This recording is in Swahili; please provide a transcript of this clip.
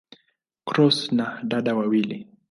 Cross ana dada wawili.